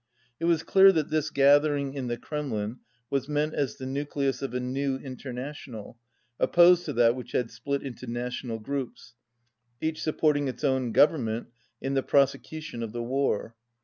It was clear that this gathering in the Kremlin was meant as the nucleus of a new International opposed to that which had split into national groups, each sup porting its own government in the prosecution of the war.